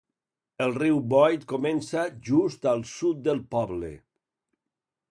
El riu Boyd comença just al sud del poble.